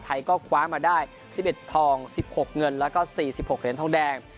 ไทยก็คว้ามาได้สิบเอ็ดทองสิบหกเงินแล้วก็สี่สิบหกเหรียญทองแดง